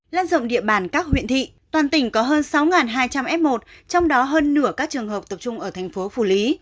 lan rộng địa bàn các huyện thị toàn tỉnh có hơn sáu hai trăm linh f một trong đó hơn nửa các trường hợp tập trung ở thành phố phủ lý